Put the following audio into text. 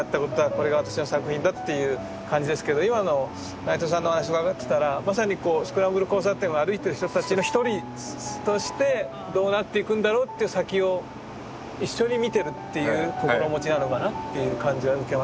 これが私の作品だっていう感じですけど今の内藤さんの話伺ってたらまさにこうスクランブル交差点を歩いてる人たちの一人としてどうなっていくんだろうっていう先を一緒に見てるっていう心持ちなのかなっていう感じは受けましたけども。